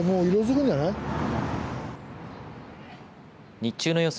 日中の予想